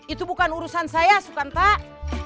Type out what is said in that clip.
itu bukan urusan saya sukan tak